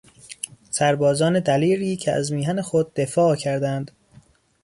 سربازان دلیری که از میهن خود دفاع کردند